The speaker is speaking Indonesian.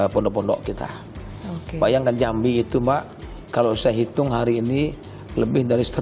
pondok pondok kita bayangkan jambi itu mbak kalau saya hitung hari ini lebih dari